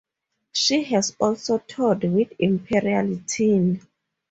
She has also toured with Imperial Teen.